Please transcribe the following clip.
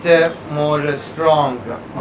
ธินปัสตาตรุอี้ยมไปขนาดนี้